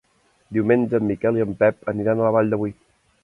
Diumenge en Miquel i en Pep aniran a la Vall de Boí.